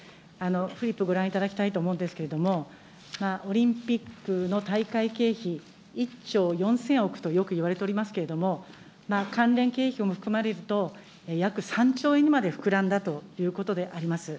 フリップご覧いただきたいと思うんですけれども、オリンピックの大会経費１兆４０００億とよくいわれておりますけれども、関連経費も含まれると、約３兆円にまで膨らんだということであります。